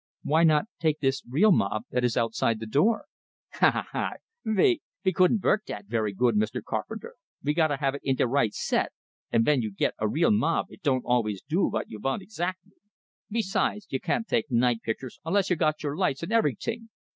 "Why not take this real mob that is outside the door?" "Ha, ha, ha! Ve couldn't verk dat very good, Mr. Carpenter. Ve gotta have it in de right set; and ven you git a real mob, it don't alvays do vot you vant exactly! Besides, you can't take night pictures unless you got your lights and everyting.